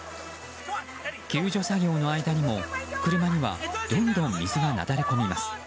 救助作業の間にも車にはどんどん水がなだれ込みます。